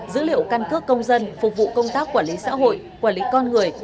dữ liệu căn cước công dân phục vụ công tác quản lý xã hội quản lý con người